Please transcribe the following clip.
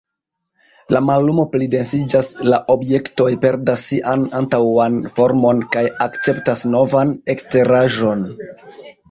La mallumo plidensiĝas; la objektoj perdas sian antaŭan formon kaj akceptas novan eksteraĵon.